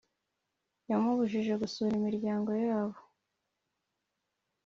Yamubujije gusura imiryango yabo